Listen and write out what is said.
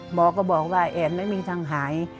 หมอก็บอกว่าแอดไม่มีทางหาย